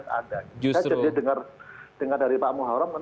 saya jadi dengar dari pak muharam